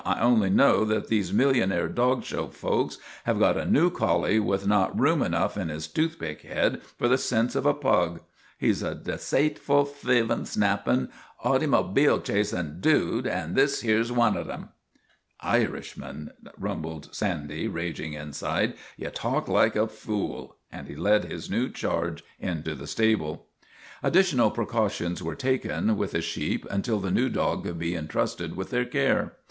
I only know that these millionaire dog show folks have got a new collie with not room enough in his toothpick head for the sense of a pug. He 's a decaitf ul, thievin', snappin', autymobile chasin' dude, an' this here 's wan of thim." ' Irishman," rumbled Sandy, raging inside, ' ye talk like a fule," and he led his new charge into the stable. Additional precautions were taken with the sheep until the new dog could be intrusted with their care.